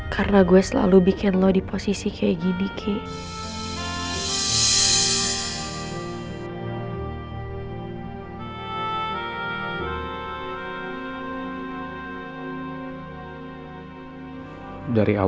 karena gue selalu bikin lo di posisi kayak gini ki